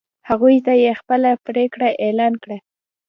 هغوی ته یې خپله پرېکړه اعلان کړه.